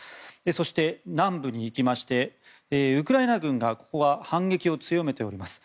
そして、南部に行きましてここはウクライナ軍が反撃を強めております。